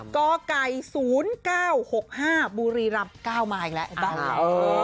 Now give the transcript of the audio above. ก้อกไก่๐๙๖๕บุรีรัมป์๙มาอีกแล้วอ้าวอ้าว